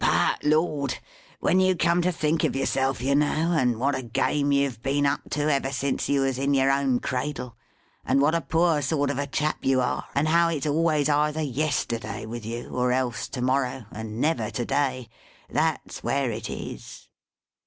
But, Lord! when you come to think of yourself, you know, and what a game you have been up to ever since you was in your own cradle, and what a poor sort of a chap you are, and how it's always either Yesterday with you, or else To morrow, and never To day, that's where it is!